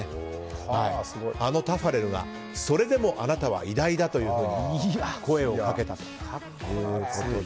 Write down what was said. あのタファレルがそれでもあなたは偉大だと声をかけたと。